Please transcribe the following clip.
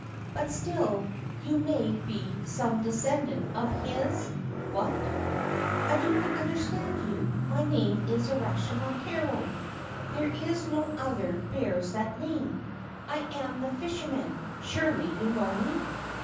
' But still, you may be some descendant of his what ?'' I do not understand you. My name is Urashima Taro. There is no other bears that name. I am the fisherman : surely you know me.'